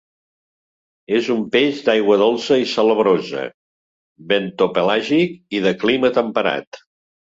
És un peix d'aigua dolça i salabrosa, bentopelàgic i de clima temperat.